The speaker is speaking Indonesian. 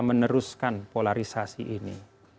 meneruskan polarisasi ini